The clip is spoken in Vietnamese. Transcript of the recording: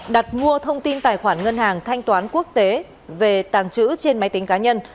đặt mua thông tin tài khoản ngân hàng thanh toán quốc tế về tàng trữ trên máy tính cá nhân